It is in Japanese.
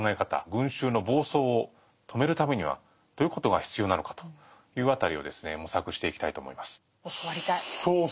群衆の暴走を止めるためにはどういうことが必要なのかという辺りを模索していきたいと思います。